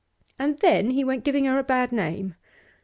And then he went giving her a bad name.